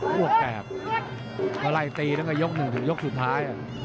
โบ๊ะแบบเมื่อไล่ตรีก็ยกหนึ่งถึงยกสุดท้าย